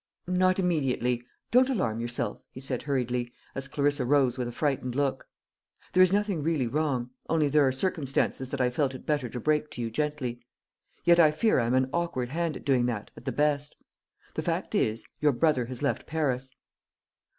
"Not immediately. Don't alarm yourself," he said hurriedly, as Clarissa rose with a frightened look. "There is nothing really wrong, only there are circumstances that I felt it better to break to you gently. Yet I fear I am an awkward hand at doing that, at the best. The fact is, your brother has left Paris."